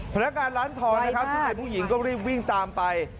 พนักงานร้านทองสุข่ายผู้หญิงก็รีบวิ่งตามไป